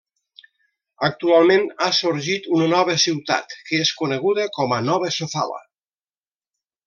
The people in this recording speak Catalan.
Actualment ha sorgit una nova ciutat que és coneguda com a Nova Sofala.